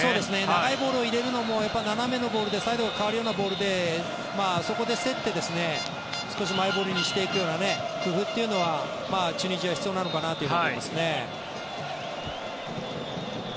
長いボールを入れるのもやっぱり斜めのボールでサイドが変わるようなボールでそこで競って少しマイボールにしていくような工夫というのはチュニジアは必要なのかなと思いますね。